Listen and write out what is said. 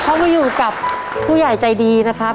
มาอยู่กับผู้ใหญ่ใจดีนะครับ